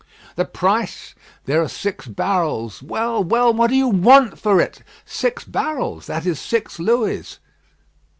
"The price?" "There are six barrels." "Well, well, what do you want for it?" "Six barrels; that is six Louis."